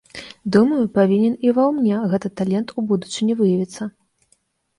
Думаю, павінен і ўва мне гэты талент у будучыні выявіцца.